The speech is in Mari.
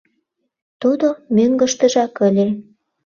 Тудо мӧҥгыштыжак ыле.